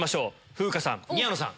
風花さん宮野さん